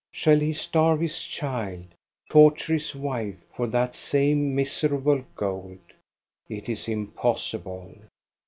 Shall he starve his child, torture his wife, for that same miserable gold? It is impossible.